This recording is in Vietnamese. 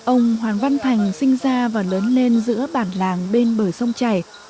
ông hoàng văn thành sinh ra và lớn lên giữa bản làng bên bờ sông chảy